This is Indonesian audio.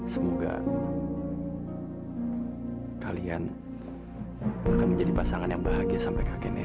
semoga kalian menjadi pasangan yang bahagia sampai kede hai